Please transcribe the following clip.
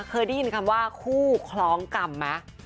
เคยได้ยินคำว่าคู่คล้องกรรมไหม